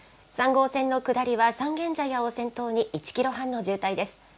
３号線の下りは三軒茶屋を先頭に１キロ半の渋滞です。